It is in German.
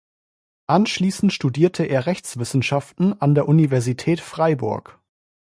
Anschließend studierte er Rechtswissenschaften an der Universität Freiburg.